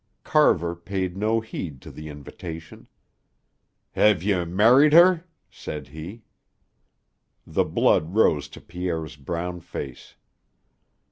Carver paid no heed to the invitation. "Hev you married her?" said he. The blood rose to Pierre's brown face.